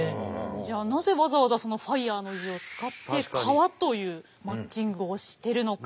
じゃあなぜわざわざそのファイヤーの字を使って川というマッチングをしてるのか。